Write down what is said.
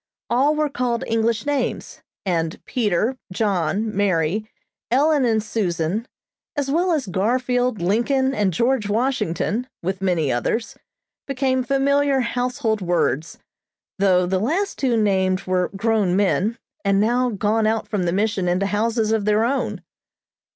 All were called by English names, and Peter, John, Mary, Ellen and Susan, as well as Garfield, Lincoln and George Washington, with many others, became familiar household words, though the two last named were grown men, and now gone out from the Mission into houses of their own.